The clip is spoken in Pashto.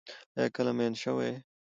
آیا کله مئین شوی یې؟